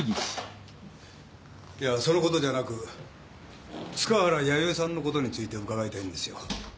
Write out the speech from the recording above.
いやそのことじゃなく塚原弥生さんのことについて伺いたいんですよ。